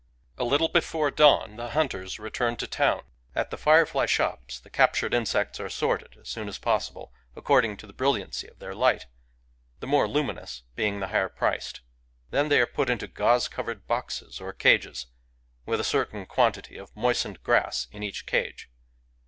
A little before dawn, the hunters return to town. At the firefly shops the captured insects are sorted as soon as possible, according to the brilliancy of their light, — the more luminous being the higher priced. Then they are put into gauze covered boxes or cages, with a certain quantity of moistened grass in each cage.